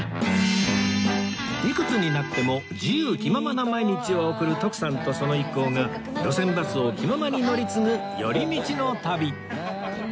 いくつになっても自由気ままな毎日を送る徳さんとその一行が路線バスを気ままに乗り継ぐ寄り道の旅